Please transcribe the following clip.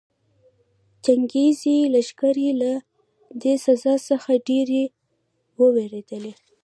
چنګېزي لښکرې له دې سزا څخه ډېرې ووېرېدلې.